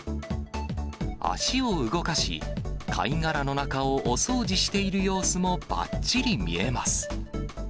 足を動かし、貝殻の中をお掃除している様子もばっちり見えます。